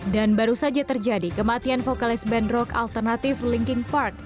dan baru saja terjadi kematian vokalis band rock alternatif linkin park